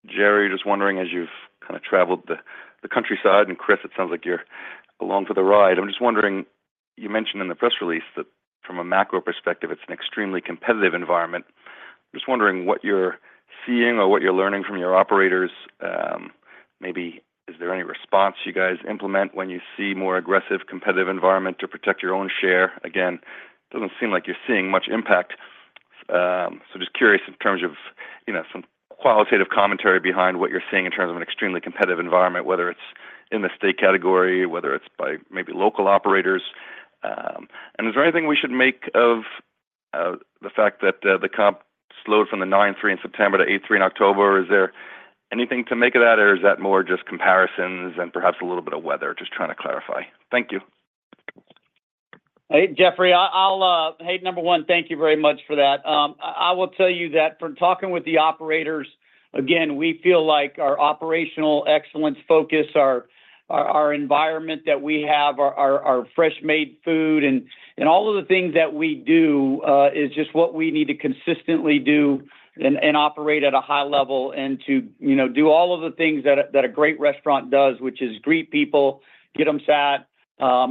Jerry, just wondering, as you've kind of traveled the countryside, and Chris, it sounds like you're along for the ride. I'm just wondering, you mentioned in the press release that from a macro perspective, it's an extremely competitive environment. Just wondering what you're seeing or what you're learning from your operators. Maybe is there any response you guys implement when you see more aggressive competitive environment to protect your own share? Again, doesn't seem like you're seeing much impact, so just curious in terms of, you know, some qualitative commentary behind what you're seeing in terms of an extremely competitive environment, whether it's in the steak category, whether it's by maybe local operators. Is there anything we should make of the fact that the comp slowed from 9.3% in September to 8.3% in October, or is there anything to make of that, or is that more just comparisons and perhaps a little bit of weather? Just trying to clarify. Thank you. Hey, Jeffrey, I'll. Hey, number one, thank you very much for that. I will tell you that from talking with the operators, again, we feel like our operational excellence focus, our environment that we have, our fresh made food and all of the things that we do is just what we need to consistently do and operate at a high level and to, you know, do all of the things that a great restaurant does, which is greet people, get them sat,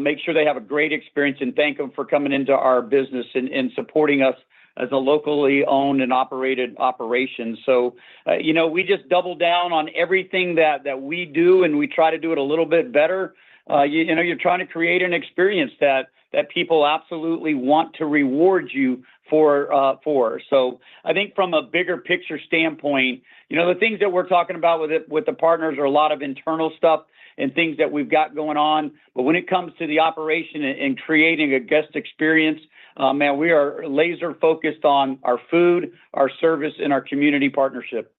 make sure they have a great experience, and thank them for coming into our business and supporting us as a locally owned and operated operation. So, you know, we just double down on everything that we do, and we try to do it a little bit better. You know, you're trying to create an experience that people absolutely want to reward you for. So I think from a bigger picture standpoint, you know, the things that we're talking about with the partners are a lot of internal stuff and things that we've got going on. But when it comes to the operation and creating a guest experience, man, we are laser focused on our food, our service, and our community partnership.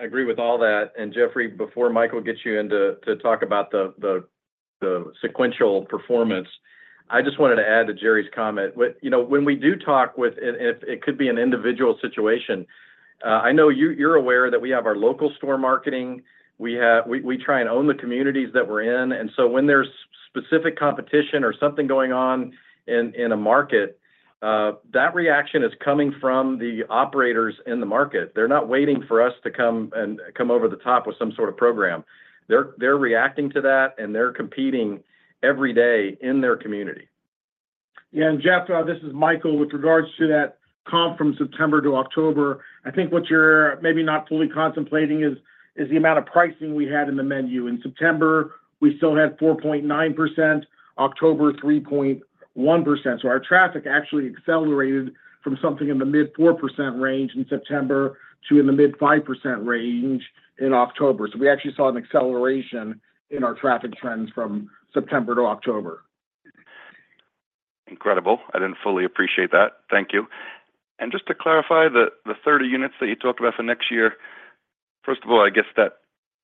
I agree with all that. And Jeffrey, before Michael gets you in to talk about the sequential performance, I just wanted to add to Jerry's comment. When you know, when we do talk with... And it could be an individual situation. I know you're aware that we have our local store marketing. We have. We try and own the communities that we're in, and so when there's specific competition or something going on in a market, that reaction is coming from the operators in the market. They're not waiting for us to come over the top with some sort of program. They're reacting to that, and they're competing every day in their community. Jeff, this is Michael. With regards to that comp from September to October, I think what you're maybe not fully contemplating is the amount of pricing we had in the menu. In September, we still had 4.9%; October, 3.1%. So our traffic actually accelerated from something in the mid-4% range in September to in the mid-5% range in October. So we actually saw an acceleration in our traffic trends from September to October. Incredible. I didn't fully appreciate that. Thank you. And just to clarify, the 30 units that you talked about for next year, first of all, I guess that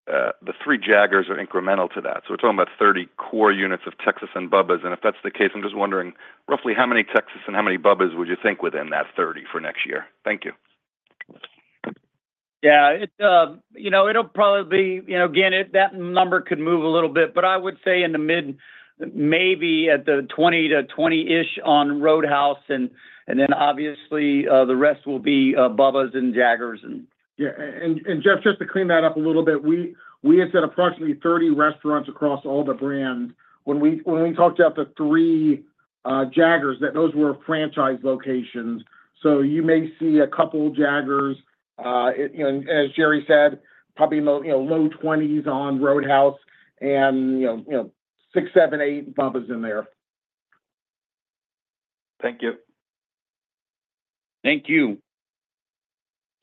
the three Jaggers are incremental to that. So we're talking about 30 core units of Texas and Bubba's, and if that's the case, I'm just wondering, roughly how many Texas and how many Bubba's would you think within that 30 for next year? Thank you. Yeah, it, you know, it'll probably be. You know, again, that number could move a little bit, but I would say in the mid, maybe at the 20 to 20-ish on Roadhouse, and then, obviously, the rest will be Bubba's and Jaggers, and- Yeah, and Jeff, just to clean that up a little bit, we had said approximately 30 restaurants across all the brands. When we talked about the three Jaggers, that those were franchise locations. So you may see a couple Jaggers, you know, as Jerry said, probably low 20s on Roadhouse and, you know, six, seven, eight Bubba's in there. Thank you. Thank you.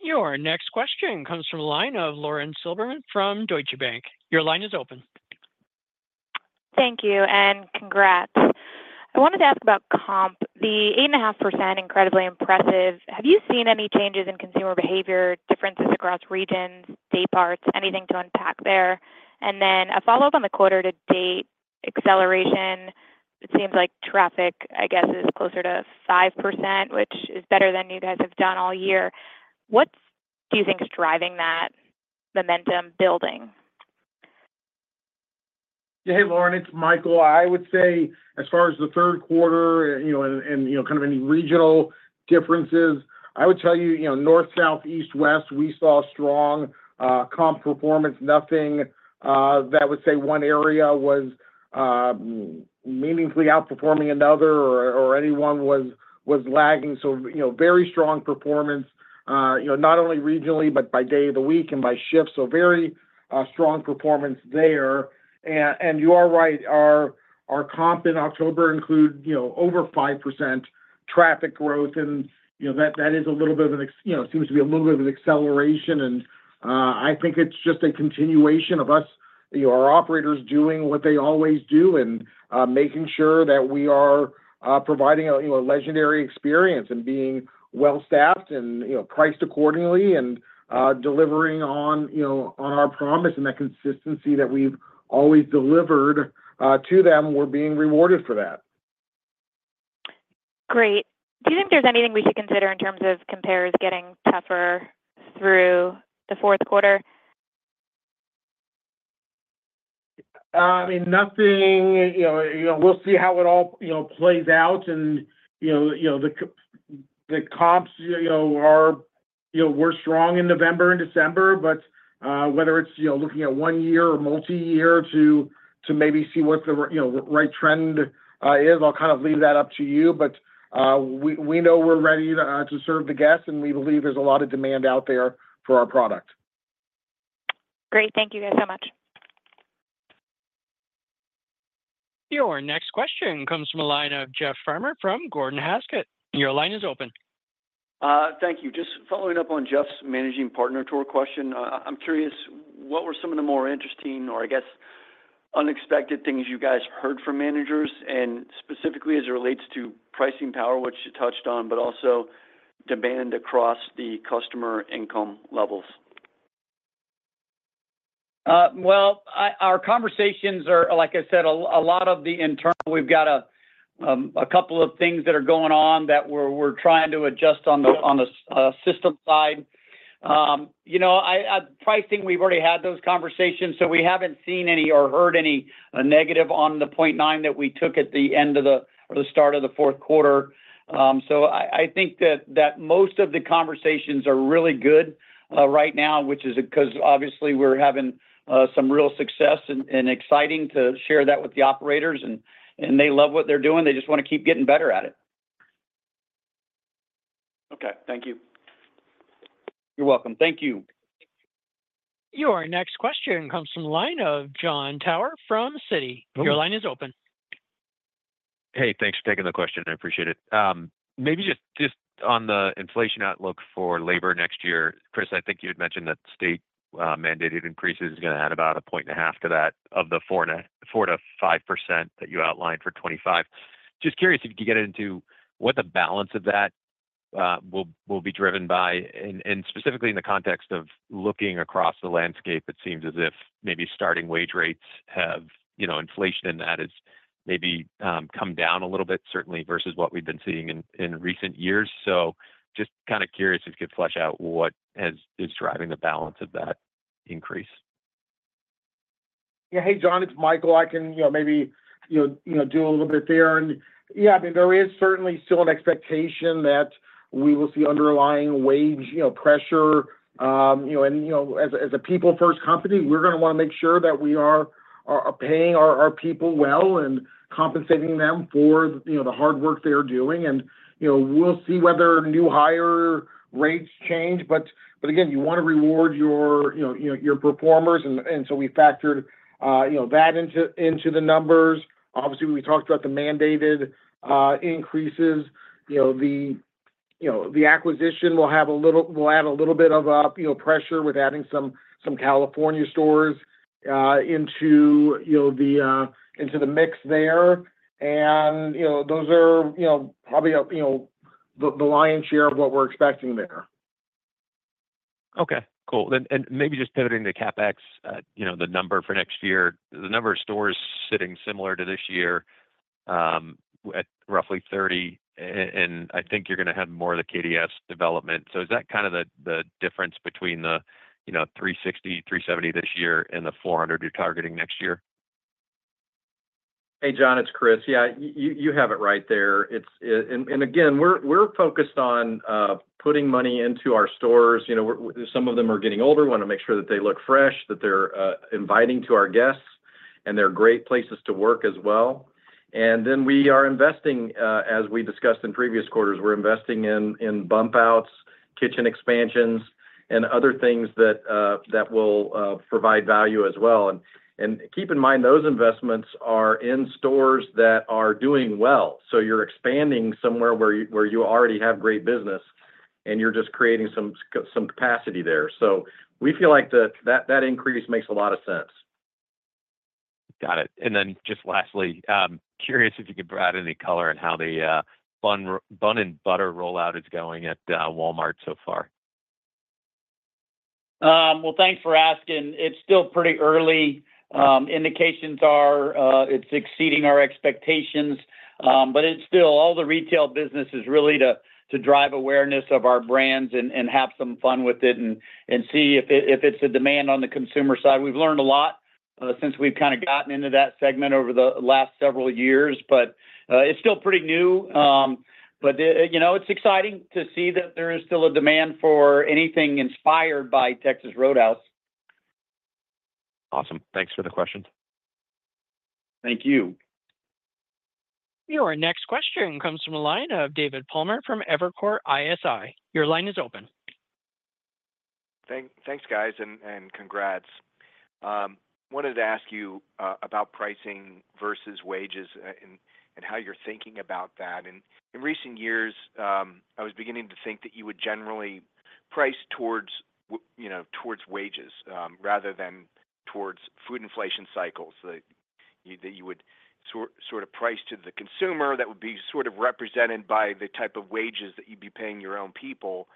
Your next question comes from the line of Lauren Silverman from Deutsche Bank. Your line is open. Thank you, and congrats. I wanted to ask about comp, the 8.5%, incredibly impressive. Have you seen any changes in consumer behavior, differences across regions, day parts, anything to unpack there? And then a follow-up on the quarter to date acceleration, it seems like traffic, I guess, is closer to 5%, which is better than you guys have done all year. What do you think is driving that momentum building? Hey, Lauren, it's Michael. I would say as far as the third quarter, you know, and you know, kind of any regional differences, I would tell you, you know, north, south, east, west, we saw strong comp performance. Nothing that would say one area was meaningfully outperforming another or anyone was lagging. So, you know, very strong performance, you know, not only regionally, but by day of the week and by shift. So very strong performance there. And you are right, our comp in October include, you know, over 5% traffic growth, and, you know, that is a little bit of an you know, seems to be a little bit of an acceleration. I think it's just a continuation of us, you know, our operators doing what they always do, and making sure that we are providing a, you know, a legendary experience, and being well-staffed and, you know, priced accordingly, and delivering on, you know, on our promise and that consistency that we've always delivered to them. We're being rewarded for that. Great. Do you think there's anything we should consider in terms of compares getting tougher through the fourth quarter? I mean, nothing, you know. You know, we'll see how it all, you know, plays out and, you know, you know, the comps, you know, are, you know, we're strong in November and December, but whether it's, you know, looking at one year or multiyear to maybe see what the right trend is, I'll kind of leave that up to you. But we know we're ready to serve the guests, and we believe there's a lot of demand out there for our product. Great. Thank you guys so much. Your next question comes from a line of Jeff Farmer from Gordon Haskett. Your line is open. Thank you. Just following up on Jeff's managing partner tour question, I'm curious, what were some of the more interesting or, I guess, unexpected things you guys heard from managers, and specifically as it relates to pricing power, which you touched on, but also demand across the customer income levels? Well, our conversations are, like I said, a lot of the internal. We've got a couple of things that are going on that we're trying to adjust on the system side. You know, pricing, we've already had those conversations, so we haven't seen any or heard any negative on the 0.9% that we took at the end of the, or the start of the fourth quarter. So I think that most of the conversations are really good right now, which is because obviously we're having some real success and exciting to share that with the operators and they love what they're doing. They just wanna keep getting better at it. Okay. Thank you. You're welcome. Thank you. Your next question comes from the line of John Tower from Citi. Your line is open. Hey, thanks for taking the question. I appreciate it. Maybe just on the inflation outlook for labor next year. Chris, I think you had mentioned that state mandated increases is gonna add about a point and a half to that of the 4%-5% that you outlined for 2025. Just curious if you could get into what the balance of that will be driven by and specifically in the context of looking across the landscape, it seems as if maybe starting wage rates have, you know, inflation in that has maybe come down a little bit, certainly versus what we've been seeing in recent years. So just kind of curious if you could flesh out what is driving the balance of that increase. Yeah. Hey, John, it's Michael. I can, you know, maybe, you know, you know, do a little bit there. And yeah, I mean, there is certainly still an expectation that we will see underlying wage, you know, pressure. You know, and, you know, as a people first company, we're gonna wanna make sure that we are paying our people well and compensating them for, you know, the hard work they are doing. And, you know, we'll see whether new hire rates change. But again, you want to reward your, you know, your performers and so we factored, you know, that into the numbers. Obviously, we talked about the mandated increases. You know, the acquisition will add a little bit of, you know, pressure with adding some California stores into, you know, the mix there. And, you know, those are, you know, probably, you know, the lion's share of what we're expecting there. Okay, cool, then and maybe just pivoting to CapEx, you know, the number for next year. The number of stores sitting similar to this year, at roughly 30, and I think you're gonna have more of the KDS development. So is that kind of the difference between the, you know, $360 million-$370 million this year and the $400 million you're targeting next year? Hey, John, it's Chris. Yeah, you have it right there. It's... And again, we're focused on putting money into our stores. You know, some of them are getting older. We wanna make sure that they look fresh, that they're inviting to our guests, and they're great places to work as well. And then we are investing, as we discussed in previous quarters, we're investing in bump-outs, kitchen expansions and other things that will provide value as well. And keep in mind, those investments are in stores that are doing well. So you're expanding somewhere where you already have great business, and you're just creating some capacity there. So we feel like that increase makes a lot of sense. Got it. And then just lastly, curious if you could add any color on how the Bun N' Butter rollout is going at Walmart so far. Well, thanks for asking. It's still pretty early. Indications are, it's exceeding our expectations. But it's still, all the retail business is really to drive awareness of our brands and have some fun with it and see if it's a demand on the consumer side. We've learned a lot since we've kind of gotten into that segment over the last several years, but it's still pretty new. But you know, it's exciting to see that there is still a demand for anything inspired by Texas Roadhouse. Awesome. Thanks for the questions. Thank you. Your next question comes from the line of David Palmer from Evercore ISI. Your line is open. Thanks, guys, and congrats. Wanted to ask you about pricing versus wages and how you're thinking about that. And in recent years, I was beginning to think that you would generally price towards wages, you know, rather than towards food inflation cycles. That you would sort of price to the consumer, that would be sort of represented by the type of wages that you'd be paying your own people.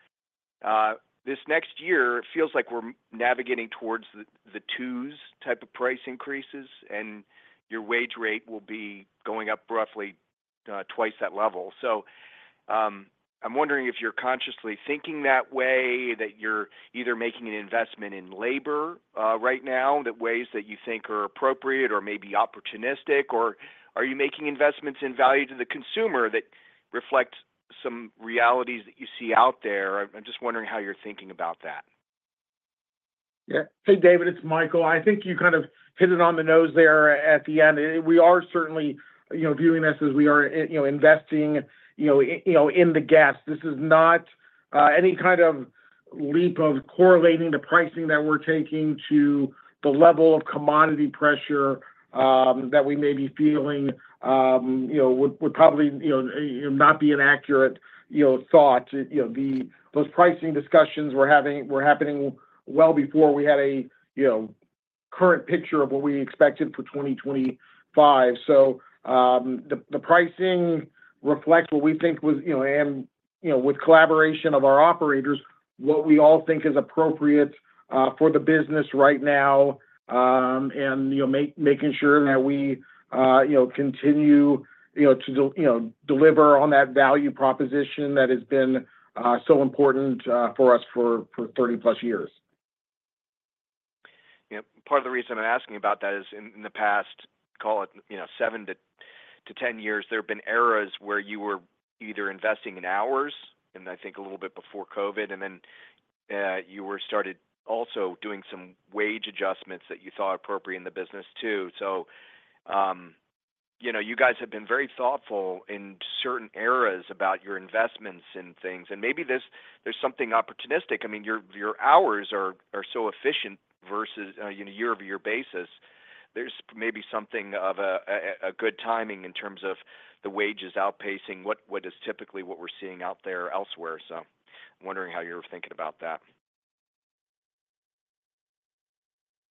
This next year, it feels like we're navigating towards the twos type of price increases, and your wage rate will be going up roughly twice that level. So, I'm wondering if you're consciously thinking that way, that you're either making an investment in labor right now, the ways that you think are appropriate or maybe opportunistic, or are you making investments in value to the consumer that reflect some realities that you see out there? I'm just wondering how you're thinking about that. Yeah. Hey, David, it's Michael. I think you kind of hit it on the nose there at the end. We are certainly, you know, viewing this as we are investing, you know, in the guests. This is not any kind of leap of correlating the pricing that we're taking to the level of commodity pressure that we may be feeling. You know, would probably, you know, not be an accurate, you know, thought. You know, those pricing discussions we were having were happening well before we had a, you know, current picture of what we expected for 2025. The pricing reflects what we think was, you know, and, you know, with collaboration of our operators, what we all think is appropriate for the business right now, and, you know, making sure that we, you know, continue, you know, to deliver on that value proposition that has been so important for us for 30+ years. Yeah. Part of the reason I'm asking about that is in the past, call it, you know, seven to 10 years, there have been eras where you were either investing in hours, and I think a little bit before COVID, and then you were started also doing some wage adjustments that you thought appropriate in the business, too. So, you know, you guys have been very thoughtful in certain eras about your investments and things, and maybe this. There's something opportunistic. I mean, your hours are so efficient versus in a year-over-year basis. There's maybe something of a good timing in terms of the wages outpacing what is typically what we're seeing out there elsewhere. So I'm wondering how you're thinking about that.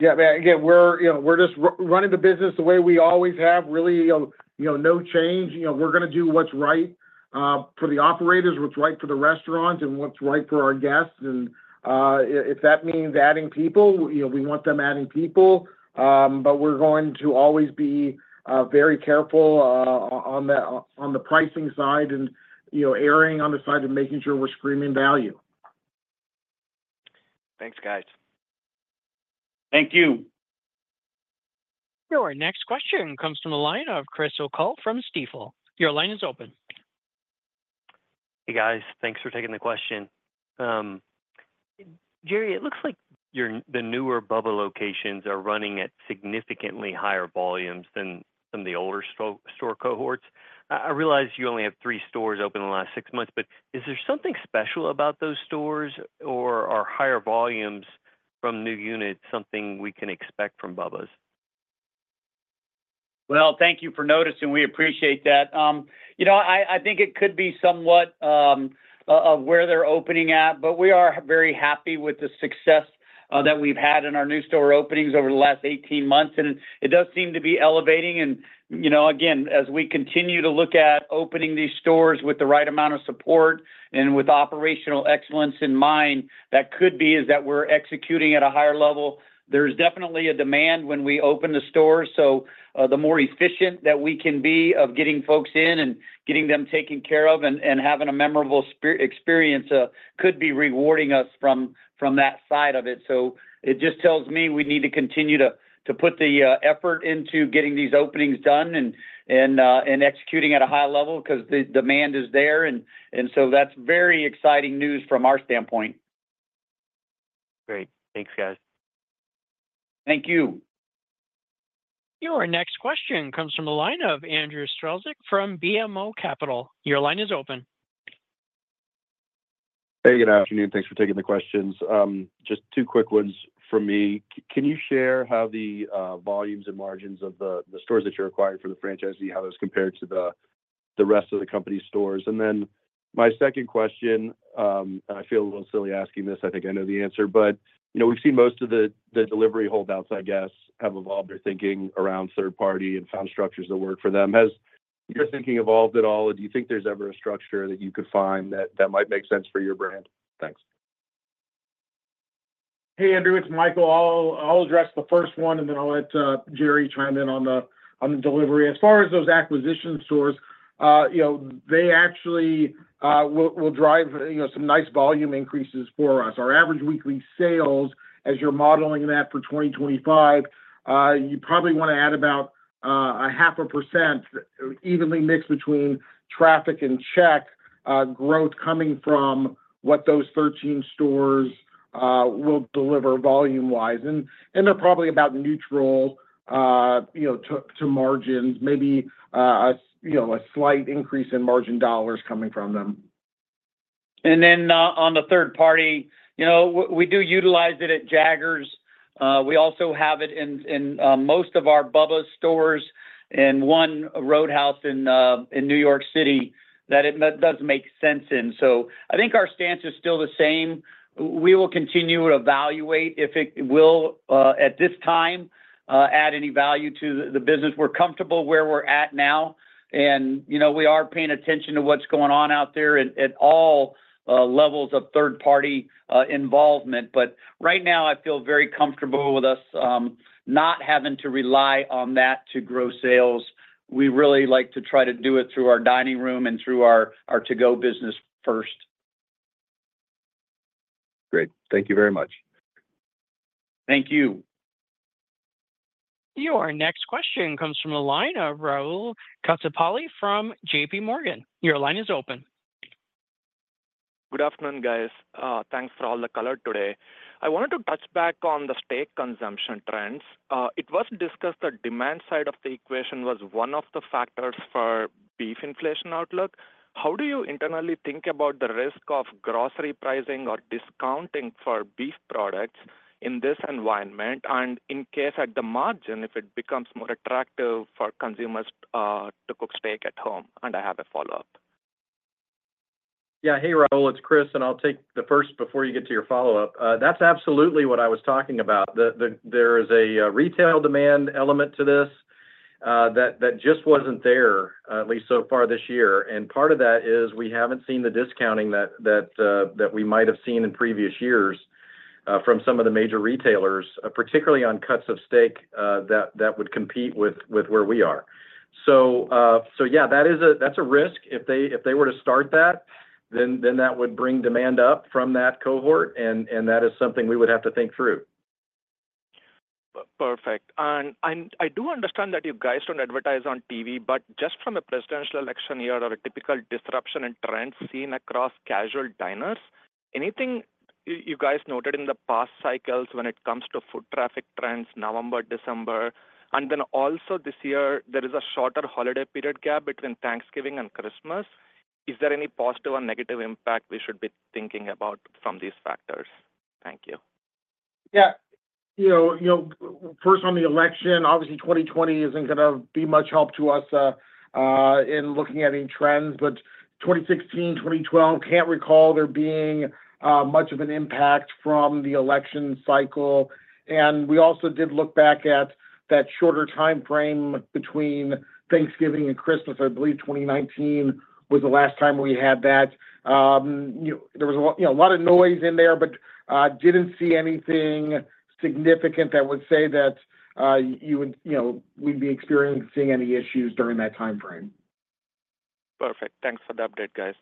Yeah, again, we're, you know, we're just running the business the way we always have, really, you know, you know, no change. You know, we're gonna do what's right for the operators, what's right for the restaurant, and what's right for our guests. And if that means adding people, you know, we want them adding people. But we're going to always be very careful on the, on the pricing side and, you know, erring on the side of making sure we're screaming value. Thanks, guys. Thank you. Your next question comes from the line of Chris O'Cull from Stifel. Your line is open. Hey, guys. Thanks for taking the question. Jerry, it looks like your, the newer Bubba locations are running at significantly higher volumes than some of the older store cohorts. I realize you only have three stores open in the last six months, but is there something special about those stores or are higher volumes from new units something we can expect from Bubba's? Thank you for noticing. We appreciate that. You know, I think it could be somewhat of where they're opening at, but we are very happy with the success that we've had in our new store openings over the last 18 months, and it does seem to be elevating. You know, again, as we continue to look at opening these stores with the right amount of support and with operational excellence in mind, that we're executing at a higher level. There's definitely a demand when we open the store, so the more efficient that we can be of getting folks in and getting them taken care of and having a memorable experience could be rewarding us from that side of it. So it just tells me we need to continue to put the effort into getting these openings done and executing at a high level because the demand is there. And so that's very exciting news from our standpoint. Great. Thanks, guys. Thank you. Your next question comes from the line of Andrew Strelzik from BMO Capital. Your line is open. Hey, good afternoon. Thanks for taking the questions. Just two quick ones from me. Can you share how the volumes and margins of the stores that you're acquiring from the franchisee, how those compare to the rest of the company stores? And then my second question, and I feel a little silly asking this, I think I know the answer, but you know, we've seen most of the delivery holdouts, I guess, have evolved their thinking around third-party and found structures that work for them. Has your thinking evolved at all, or do you think there's ever a structure that you could find that might make sense for your brand? Thanks. Hey, Andrew, it's Michael. I'll address the first one, and then I'll let Jerry chime in on the delivery. As far as those acquisition stores, you know, they actually will drive, you know, some nice volume increases for us. Our average weekly sales, as you're modeling that for 2025, you probably wanna add about 0.5%, evenly mixed between traffic and check growth coming from what those 13 stores will deliver volume-wise. And they're probably about neutral, you know, to margins, maybe a slight increase in margin dollars coming from them. And then, on the third party, you know, we do utilize it at Jaggers. We also have it in most of our Bubba's stores and one Roadhouse in New York City, that it does make sense in. So I think our stance is still the same. We will continue to evaluate if it will, at this time, add any value to the business. We're comfortable where we're at now, and, you know, we are paying attention to what's going on out there at all levels of third-party involvement. But right now, I feel very comfortable with us not having to rely on that to grow sales. We really like to try to do it through our dining room and through our to-go business first. Great. Thank you very much. Thank you. Your next question comes from the line of Rahul Krotthapalli from J.P. Morgan. Your line is open. Good afternoon, guys. Thanks for all the color today. I wanted to touch back on the steak consumption trends. It was discussed the demand side of the equation was one of the factors for beef inflation outlook. How do you internally think about the risk of grocery pricing or discounting for beef products in this environment? And in case at the margin, if it becomes more attractive for consumers to cook steak at home? And I have a follow-up. Yeah. Hey, Rahul, it's Chris, and I'll take the first before you get to your follow-up. That's absolutely what I was talking about. There is a retail demand element to this that just wasn't there at least so far this year. And part of that is we haven't seen the discounting that we might have seen in previous years from some of the major retailers particularly on cuts of steak that would compete with where we are. So, yeah, that is a risk. If they were to start that, then that would bring demand up from that cohort, and that is something we would have to think through. Perfect. And I do understand that you guys don't advertise on TV, but just from a presidential election year or a typical disruption in trends seen across casual diners, anything you guys noted in the past cycles when it comes to foot traffic trends, November, December? And then also this year, there is a shorter holiday period gap between Thanksgiving and Christmas. Is there any positive or negative impact we should be thinking about from these factors? Thank you. Yeah. You know, first, on the election, obviously, 2020 isn't gonna be much help to us in looking at any trends. But 2016, 2012, can't recall there being much of an impact from the election cycle. And we also did look back at that shorter timeframe between Thanksgiving and Christmas. I believe 2019 was the last time we had that. You know, there was a lot of noise in there, but didn't see anything significant that would say that you would, you know, we'd be experiencing any issues during that timeframe. Perfect. Thanks for the update,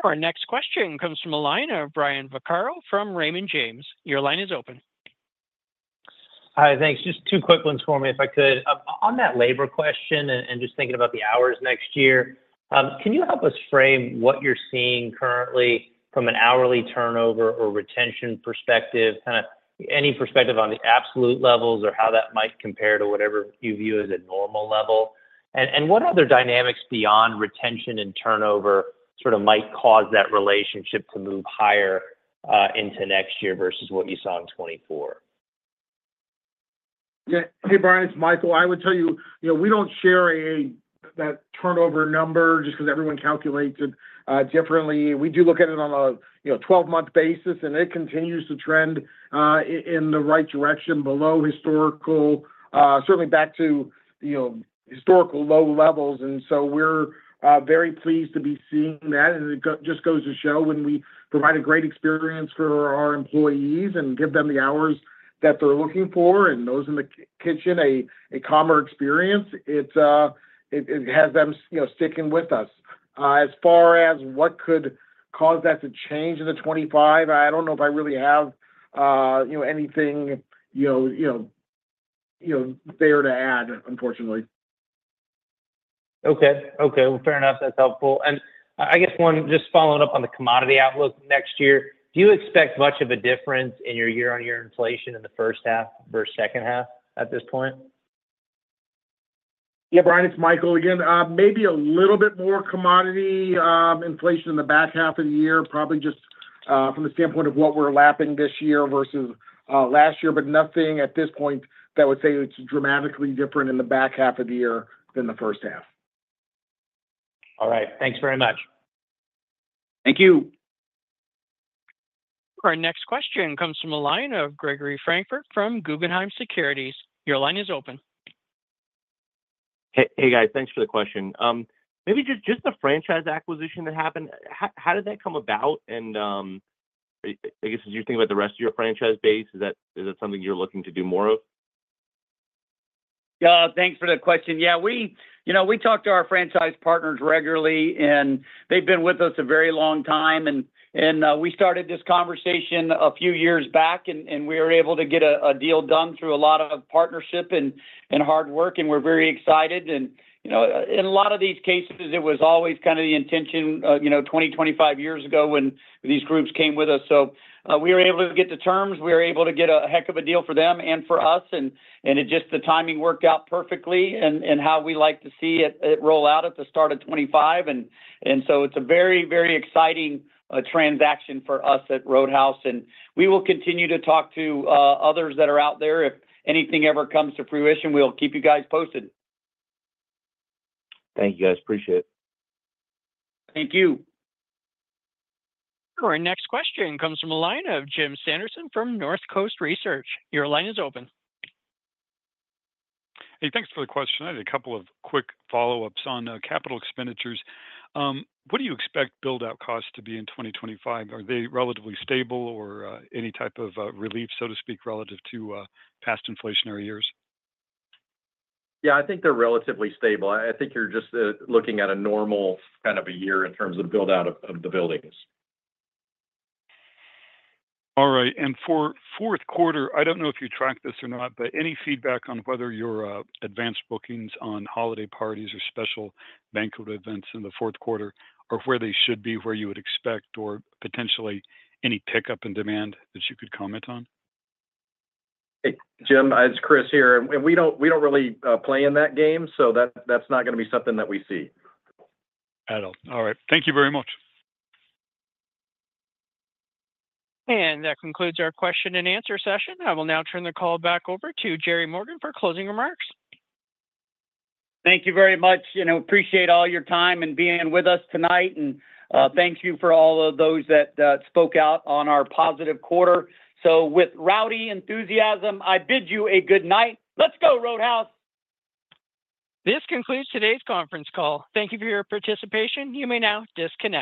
guys. Thank you. Our next question comes from the line of Brian Vaccaro from Raymond James. Your line is open. Hi, thanks. Just two quick ones for me, if I could. On that labor question and, and just thinking about the hours next year, can you help us frame what you're seeing currently from an hourly turnover or retention perspective? Kinda any perspective on the absolute levels or how that might compare to whatever you view as a normal level. And, and what other dynamics beyond retention and turnover sort of might cause that relationship to move higher, into next year versus what you saw in 2024? Yeah. Hey, Brian, it's Michael. I would tell you, you know, we don't share that turnover number just 'cause everyone calculates it differently. We do look at it on a, you know, 12-month basis, and it continues to trend in the right direction, below historical, certainly back to, you know, historical low levels. And so we're very pleased to be seeing that, and it just goes to show when we provide a great experience for our employees and give them the hours that they're looking for, and those in the kitchen, a calmer experience, it has them, you know, sticking with us. As far as what could cause that to change in the 2025, I don't know if I really have, you know, anything there to add, unfortunately. Okay, okay, well, fair enough. That's helpful. And I guess one just following up on the commodity outlook next year, do you expect much of a difference in your year-on-year inflation in the first half versus second half at this point? Yeah, Brian, it's Michael again. Maybe a little bit more commodity inflation in the back half of the year, probably just from the standpoint of what we're lapping this year versus last year. But nothing at this point that would say it's dramatically different in the back half of the year than the first half. All right. Thanks very much. Thank you. Our next question comes from the line of Gregory Francfort from Guggenheim Securities. Your line is open. Hey, hey, guys. Thanks for the question. Maybe just the franchise acquisition that happened, how did that come about? And, I guess, as you think about the rest of your franchise base, is that something you're looking to do more of? Thanks for that question. Yeah, we, you know, we talk to our franchise partners regularly, and they've been with us a very long time, and we started this conversation a few years back, and we were able to get a deal done through a lot of partnership and hard work, and we're very excited. You know, in a lot of these cases, it was always kind of the intention, you know, 20, 25 years ago when these groups came with us. So, we were able to get the terms, we were able to get a heck of a deal for them and for us, and it just the timing worked out perfectly and how we like to see it roll out at the start of 2025. It's a very, very exciting transaction for us at Roadhouse, and we will continue to talk to others that are out there. If anything ever comes to fruition, we'll keep you guys posted. Thank you, guys. Appreciate it. Thank you. Our next question comes from the line of Jim Sanderson from North Coast Research. Your line is open. Hey, thanks for the question. I had a couple of quick follow-ups on capital expenditures. What do you expect build-out costs to be in 2025? Are they relatively stable or any type of relief, so to speak, relative to past inflationary years? Yeah, I think they're relatively stable. I think you're just looking at a normal kind of a year in terms of build-out of the buildings. All right. And for fourth quarter, I don't know if you tracked this or not, but any feedback on whether your advanced bookings on holiday parties or special banquet events in the fourth quarter are where they should be, where you would expect, or potentially any pickup in demand that you could comment on? Hey, Jim, it's Chris here, and we don't really play in that game, so that's not gonna be something that we see. At all. All right. Thank you very much. That concludes our question and answer session. I will now turn the call back over to Jerry Morgan for closing remarks. Thank you very much. You know, appreciate all your time and being with us tonight. And, thank you for all of those that spoke out on our positive quarter. So with rowdy enthusiasm, I bid you a good night. Let's go, Roadhouse! This concludes today's conference call. Thank you for your participation. You may now disconnect.